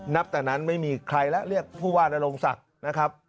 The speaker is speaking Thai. นับแต่นั้นไม่มีใครแล้วเรียกผู้ว่านโรงศักดิ์นะครับ